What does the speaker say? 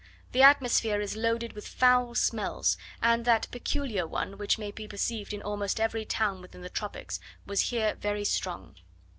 The atmosphere is loaded with foul smells, and that peculiar one, which may be perceived in almost every town within the tropics, was here very strong.